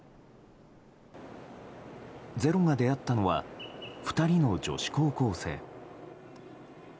「ｚｅｒｏ」が出会ったのは２人の女子高校生。